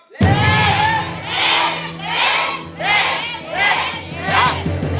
ลิฟท์ลิฟท์ลิฟท์ลิฟท์